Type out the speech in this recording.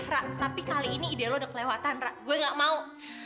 rak tapi kali ini ide lo udah kelewatan rak gue gak mau